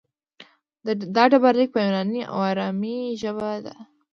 دا ډبرلیک په یوناني او ارامي ژبه دی